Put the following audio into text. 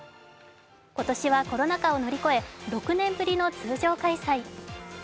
今年はコロナ禍を乗り越え６年ぶりの通常開催。